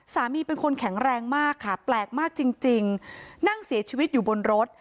เป็นคนแข็งแรงมากค่ะแปลกมากจริงนั่งเสียชีวิตอยู่บนรถ